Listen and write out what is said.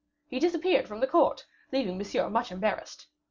He disappeared from the court, leaving Monsieur much embarrassed.